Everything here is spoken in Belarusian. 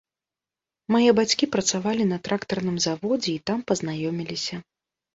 Мае бацькі працавалі на трактарным заводзе і там пазнаёміліся.